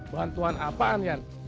bantuan apaan yan